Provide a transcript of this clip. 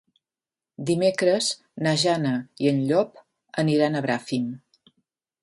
Dimecres na Jana i en Llop aniran a Bràfim.